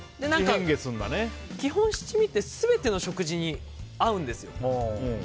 基本、七味って全ての食事に合うんですよ。